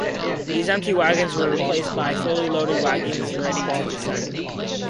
These empty wagons were replaced by fully loaded wagons ready to descend.